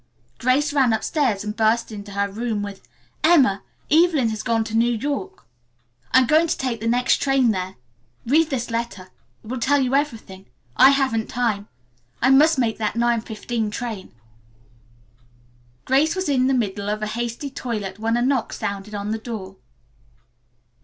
Grace ran upstairs and burst into her room with, "Emma, Evelyn has gone to New York! I'm going to take the next train there. Read this letter. It will tell you everything. I haven't time. I must make that 9.15 train." Grace was in the middle of a hasty toilet when a knock sounded on the door.